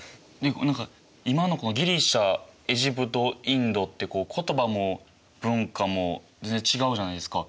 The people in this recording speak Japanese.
今のギリシアエジプトインドって言葉も文化も全然違うじゃないですか。